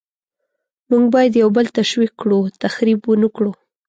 موږ باید یو بل تشویق کړو، تخریب ونکړو.